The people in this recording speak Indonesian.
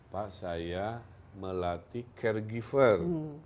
pak saya melatih caregiver